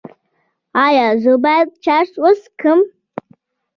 ایا زه باید چرس وڅکوم؟